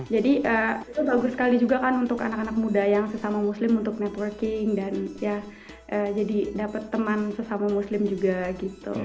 jadi bagus sekali juga kan untuk anak anak muda yang sesama muslim untuk networking dan ya jadi dapat teman sesama muslim juga gitu